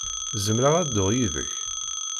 Zemreɣ ad dduɣ yid-k?